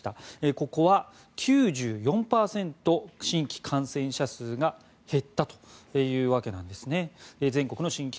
ここは９４％、新規感染者数が減ったというわけなんです。